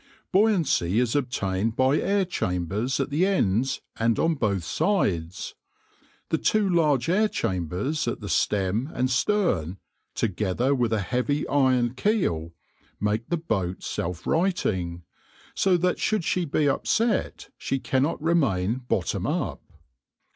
Buoyancy is obtained by air chambers at the ends and on both sides. The two large air chambers at the stem and stern, together with a heavy iron keel, make the boat self righting, so that should she be upset she cannot remain bottom up.